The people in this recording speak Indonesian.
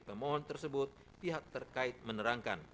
pemohon tersebut pihak terkait menerangkan